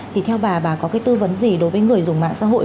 thì theo bà bà có cái tư vấn gì đối với người dùng mạng xã hội